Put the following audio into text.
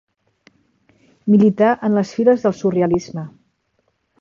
Milità en les files del surrealisme.